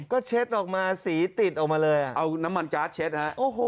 ก็เช็ดออกมาสีติดออกมาเลยเอาน้ำมันการ์ดเช็ดฮะ